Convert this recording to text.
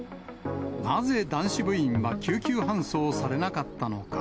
なぜ男子部員は救急搬送されなかったのか。